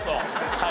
はい！